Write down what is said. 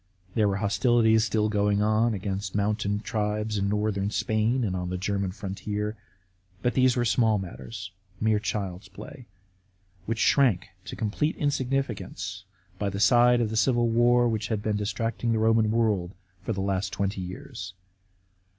There were hostilities still going on against mountain tribes hi northern Spain, and on the German frontier. But these were small matters, mere child's play, which shrank to complete insignificance by the side of the Civil War which had been distracting the Roman world for the last twenty years.